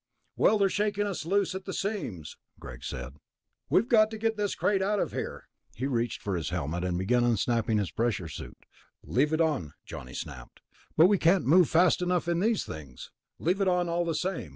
"Well, they're shaking us loose at the seams," Greg said. "We've got to get this crate out of here." He reached for his helmet, began unsnapping his pressure suit. "Leave it on," Johnny snapped. "But we can't move fast enough in these things...." "Leave it on all the same.